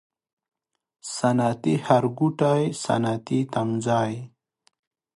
صنعتي ښارګوټی، صنعتي تمځای